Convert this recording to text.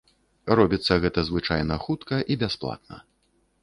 Робіцца гэта звычайна хутка і бясплатна.